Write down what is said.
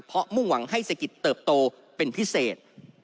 เพราะมุ่งหวังให้เศรษฐกิจเติบโตเป็นพิเศษ